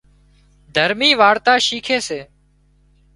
دهرمي وارتا شيکي سي